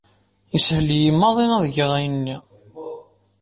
Yeshel-iyi maḍi ad geɣ ayen-nni.